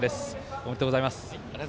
ありがとうございます。